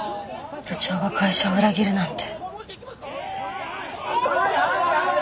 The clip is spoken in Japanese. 部長が会社を裏切るなんて。